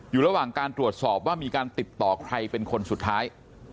อยู่ระหว่างการตรวจสอบว่ามีการติดต่อใครเป็นคนสุดท้าย